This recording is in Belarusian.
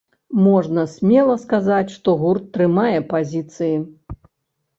Можна смела сказаць, што гурт трымае пазіцыі.